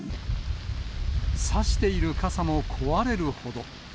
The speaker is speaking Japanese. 差している傘も壊れるほど。